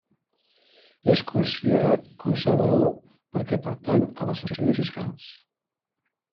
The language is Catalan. És considerat conservador perquè pertany a l'Associació de Fiscals.